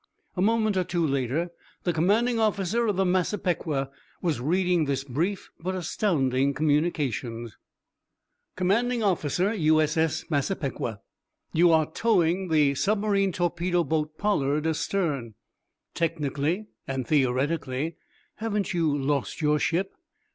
A moment or two later, the commanding officer of the "Massapequa" was reading this brief but astounding communication: _Commanding Officer, U.S.S. "Massapequa": You are towing the submarine torpedo boat "Pollard" astern. Technically and theoretically, haven't you lost your ship?